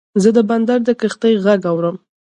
زه د بندر د کښتۍ غږ اورم.